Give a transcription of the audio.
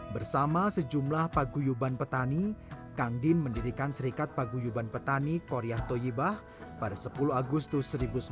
bersama sejumlah paguyuban petani kang din mendirikan serikat paguyuban petani korea toyibah pada sepuluh agustus seribu sembilan ratus empat puluh